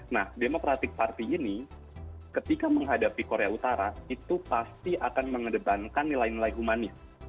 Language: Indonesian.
nah democratic party ini ketika menghadapi korea utara itu pasti akan mengedepankan nilai nilai humanis